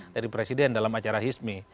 dari presiden dalam acara hismi